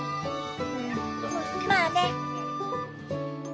まあね。